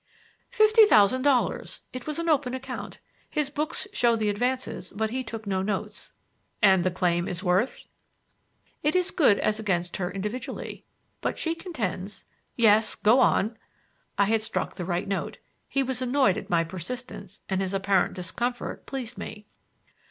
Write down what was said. "Fifty thousand dollars. It was an open account. His books show the advances, but he took no notes." "And that claim is worth—?" "It is good as against her individually. But she contends—" "Yes, go on!" I had struck the right note. He was annoyed at my persistence and his apparent discomfort pleased me.